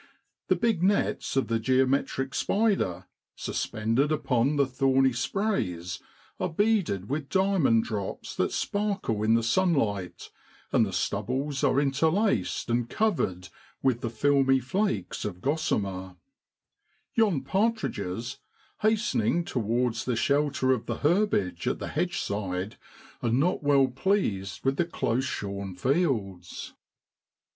The big nets of the geometric spider, suspended upon the thorny sprays, are beaded with diamond drops that sparkle in the sunlight, and the stubbles are interlaced and covered with the filmy flakes of gossamer. Yon partridges, hastening towards the shelter of the herbage at the hedgeside, are not well pleased with the close shorn fields.